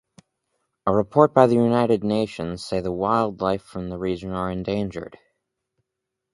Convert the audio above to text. A report by the United Nations say the wildlife from the region are endangered.